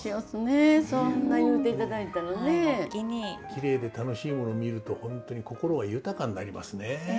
きれいで楽しいもの見ると本当に心が豊かになりますね。